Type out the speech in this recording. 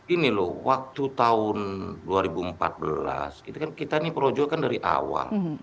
ini loh waktu tahun dua ribu empat belas kita ini projo kan dari awal